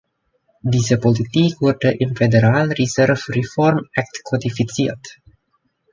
Diese Politik wurde im Federal Reserve Reform Act kodifiziert.